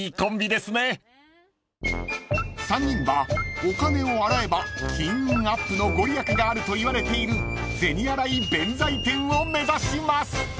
［３人はお金を洗えば金運アップの御利益があるといわれている銭洗弁財天を目指します］